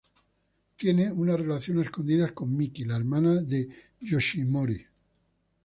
Tiene una relación a escondidas con Miki, la hermana de Yoshinori.